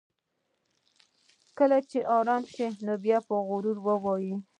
کله چې ارام شو نو په غرور یې وویل